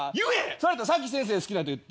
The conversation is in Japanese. それやったら先先生好きな人言って。